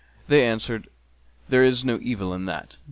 They answered, "There is no evil in that!"